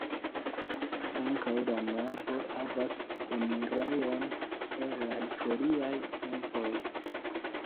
Ankaŭ la navo havas enirejon el la historiaj tempoj.